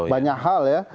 banyak hal ya